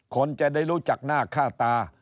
คนจะได้รู้จักหน้าค่าตา